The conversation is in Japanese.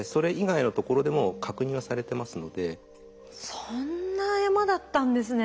そんな山だったんですね。